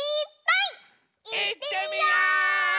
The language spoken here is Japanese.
いってみよう！